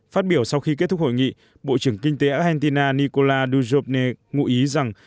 phát biểu sau khi kết thúc hội nghị bộ trưởng kinh tế argentina nicola dujovne ngụ ý rằng